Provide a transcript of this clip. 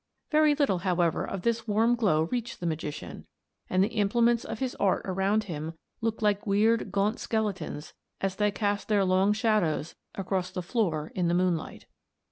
Very little, however, of this warm glow reached the magician, and the implements of his art around him looked like weird gaunt skeletons as they cast their long shadows across the floor in the moonlight.